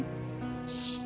シッ。